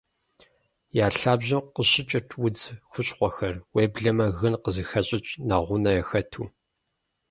Я лъабжьэм къыщыкӀырт удз хущхъуэхэр, уеблэмэ гын къызыхащӀыкӀ нэгъунэ яхэту.